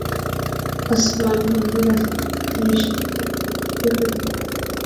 ওসমান গনি রাস্তায় নেমে বিস্মিত হয়ে এদিক-ওদিক তাকাতে লাগলেন!